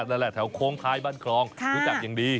แหละแถวโค้งท้ายบ้านคลองรู้จักอย่างดี